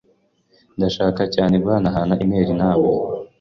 Ndashaka cyane guhanahana imeri nawe.